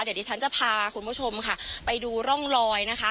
เดี๋ยวดิฉันจะพาคุณผู้ชมค่ะไปดูร่องลอยนะคะ